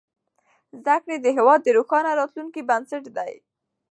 زدهکړې د هېواد د روښانه راتلونکي بنسټ دی.